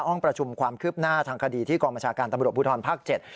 ห้องประชุมความคืบหน้าทางคดีที่กรมชาการตำรวจบุทรภักดิ์๗